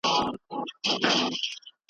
نیت او فکر دواړه هېر د آزادۍ سي .